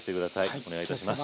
お願いいたします。